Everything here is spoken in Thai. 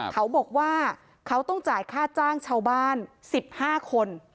เขาบอกว่าเขาต้องจ่ายค่าจ้างชาวบ้าน๑๕คน